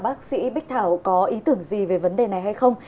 bác sĩ bích thảo có ý tưởng gì về vấn đề này hay không